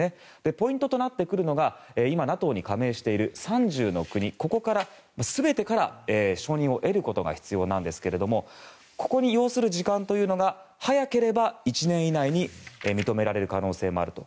ポイントとなるのが今ＮＡＴＯに加盟している３０の国、ここから全てから承認を得ることが必要なんですがここに要する時間が、早ければ１年以内に認められる可能性もあると。